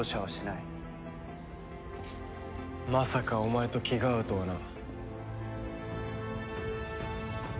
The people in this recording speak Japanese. まさかお前と気が合うとはな。